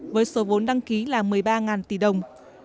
với số vốn đăng ký là một mươi ba tỷ đồng